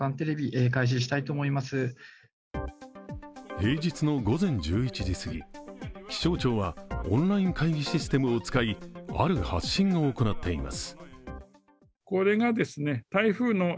平日の午前１１時すぎ、気象庁はオンライン会議システムを使い、ある発信を行っています。